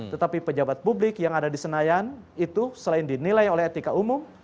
tetapi pejabat publik yang ada di senayan itu selain dinilai oleh etika umum